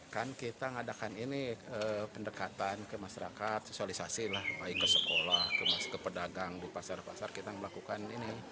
kan kita mengadakan ini pendekatan ke masyarakat sosialisasi lah baik ke sekolah ke pedagang di pasar pasar kita melakukan ini